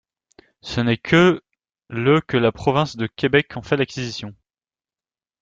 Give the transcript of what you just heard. Ce n'est que le que la province de Québec en fait l'acquisition.